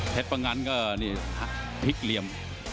พงันก็นี่พลิกเหลี่ยม